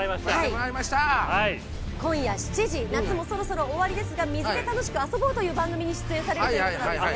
こんや７時、夏もそろそろ終わりですが、水で楽しく遊ぼうという番組に出演されています。